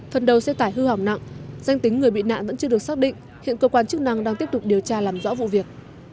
phần đầu xe tải hư hỏng nặng danh tính người bị nạn vẫn chưa được xác định hiện cơ quan chức năng đang tiếp tục điều tra làm rõ vụ việc